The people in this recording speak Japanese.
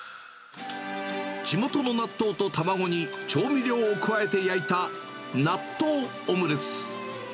地元の納豆と卵に調味料を加えて焼いた納豆オムレツ。